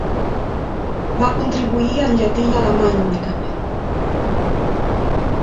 Va contribuir en llatí i alemany únicament.